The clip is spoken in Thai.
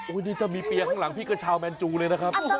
โอ้โหนี่จะมีเปียข้างหลังพี่กระชาวแมนจูเลยนะครับ